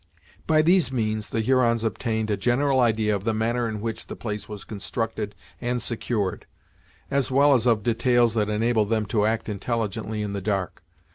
By these means the Hurons obtained a general idea of the manner in which the place was constructed and secured, as well as of details that enabled them to act intelligently in the dark.